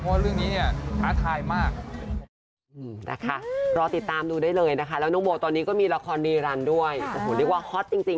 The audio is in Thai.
เพราะว่าเรื่องนี้เนี่ยท้าทายมากนะคะ